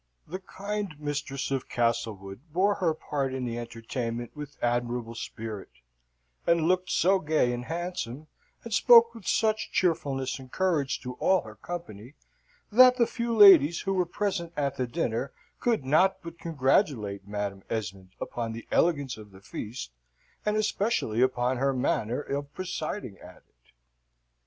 The kind Mistress of Castlewood bore her part in the entertainment with admirable spirit, and looked so gay and handsome, and spoke with such cheerfulness and courage to all her company, that the few ladies who were present at the dinner could not but congratulate Madam Esmond upon the elegance of the feast, and especially upon her manner of presiding at it.